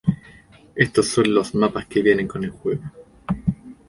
Estos son los mapas que vienen con el juego.